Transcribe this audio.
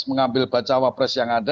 mengambil baca wapres yang ada